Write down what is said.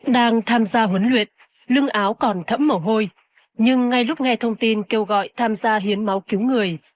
đang tham gia huấn luyện lưng áo còn thẫm mổ hôi nhưng ngay lúc nghe thông tin kêu gọi tham gia hiến máu cứu người